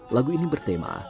lagu ini bertema